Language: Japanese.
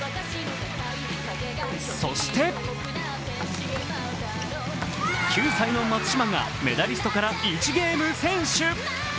そして９歳の松島がメダリストから１ゲーム先取。